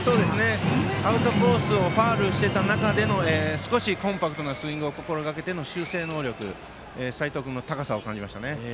アウトコースをファウルしていた中での少しコンパクトなスイングを心がけての修正能力、齋藤君の高さを感じましたね。